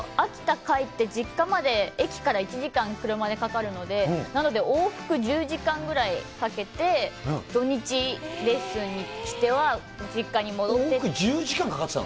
帰って、実家まで駅から１時間車でかかるので、なので、往復１０時間ぐらいかけて、土日レッスンに来ては、実家に戻往復１０時間かかってたの？